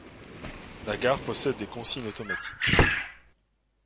La gare possède des consignes automatique.